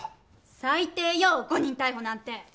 最低よ誤認逮捕なんて。